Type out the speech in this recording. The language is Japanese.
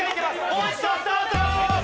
もう一度スタート。